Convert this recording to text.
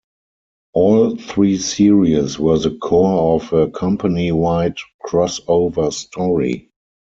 All three series were the core of a company-wide crossover story.